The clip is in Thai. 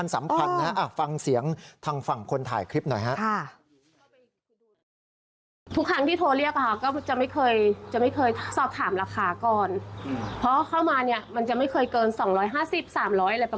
๒๕๐๓๐๐อะไรประมาณนี้อยู่แล้วส่องเบอร์๑๐ลอง๔๐๐๐ค่ะ